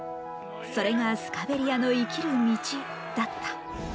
それがスカベリアの生きる道だった。